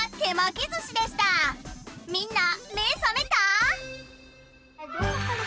みんなめさめた？